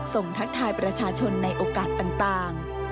ทักทายประชาชนในโอกาสต่าง